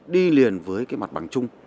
đi liền với cái mặt bằng chung